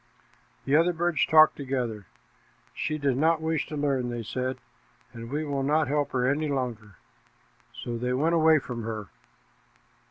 The other birds talked together. "She does not wish to learn," they said, "and we will not help her any longer." So they went away from her.